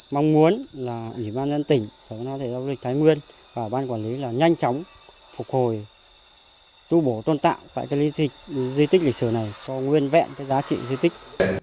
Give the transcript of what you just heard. mong muốn là ủy ban nhân dân tỉnh sẽ có thể giao dịch thái nguyên và ban quản lý là nhanh chóng phục hồi tu bổ tôn tạo tại cái di tích lịch sử này cho nguyên vẹn cái giá trị di tích